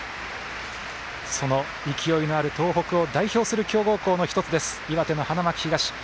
その勢いのある東北を代表する強豪校の１つです、岩手、花巻東。